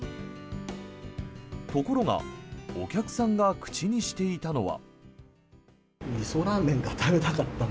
ところがお客さんが口にしていたのは。